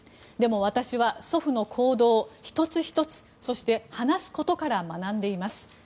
でも私は祖父の行動１つ１つそして話すことから学んでいます。